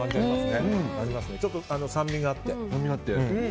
ちょっと酸味があって。